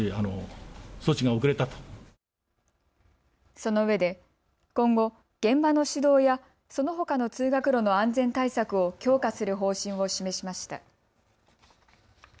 そのうえで今後、現場の市道やそのほかの通学路の安全対策を強化する方針を示しました。